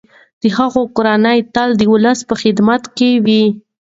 د هغوی کورنۍ تل د ولس په خدمت کي وه.